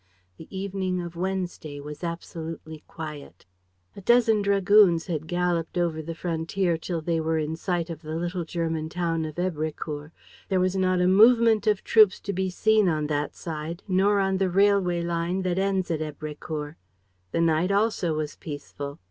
The evening of Wednesday was absolutely quiet. A dozen dragoons had galloped over the frontier till they were in sight of the little German town of Èbrecourt. There was not a movement of troops to be seen on that side, nor on the railway line that ends at Èbrecourt. The night also was peaceful.